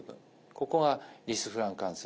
ここがリスフラン関節。